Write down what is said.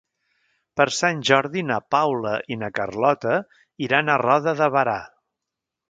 Per Sant Jordi na Paula i na Carlota iran a Roda de Berà.